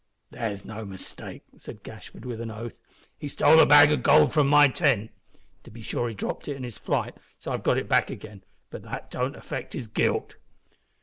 "There's no mistake," said Gashford, with an oath. "He stole a bag o' gold from my tent. To be sure he dropped it in his flight so I've got it back again, but that don't affect his guilt."